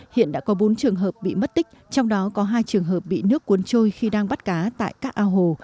hiện đã có bốn trường hợp bị mất tích trong đó có hai trường hợp bị nước cuốn trôi khi đang bắt cá tại các ao hồ